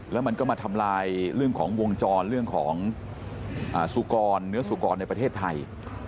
แล้วมันก็มาทำลายเรื่องของวงจรเรื่องของสุกรเนื้อสุกรในประเทศไทย